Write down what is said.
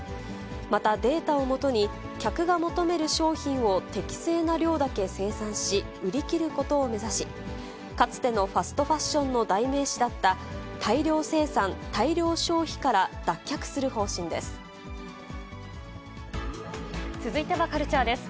また、データを基に客が求める商品を適正な量だけ生産し、売り切ることを目指し、かつてのファストファッションの代名詞だった大量生産、大量消費から脱却する方針です。